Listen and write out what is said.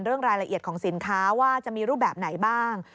เรื่องรายละเอียดของสินค้าว่าจะมีรูปแบบไหนบ้าง